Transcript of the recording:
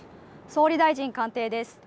総理大臣官邸です。